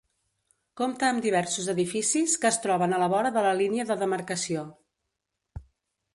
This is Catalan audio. Compta amb diversos edificis, que es troben a la vora de la línia de demarcació.